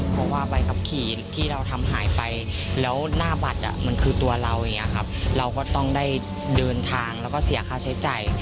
เพราะว่าใบขับขี่ที่เราทำหายไปแล้วหน้าบัตรมันคือตัวเราอย่างนี้ครับเราก็ต้องได้เดินทางแล้วก็เสียค่าใช้จ่าย